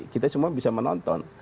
kita semua bisa menonton